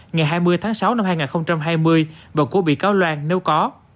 ngày hai mươi tháng sáu năm hai nghìn hai mươi và của bị cáo loan nếu có